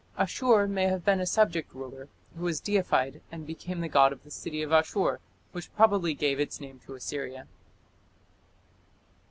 Asshur may have been a subject ruler who was deified and became the god of the city of Asshur, which probably gave its name to Assyria.